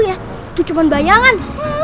itu cuma bayangan